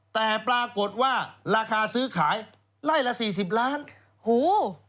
แต่ปรากฏว่าราคาซื้อขายไร่ละ๔๐ล้านบาท